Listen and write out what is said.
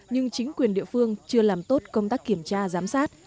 nhưng chính quyền địa phương chưa làm tốt công tác kiểm tra giám sát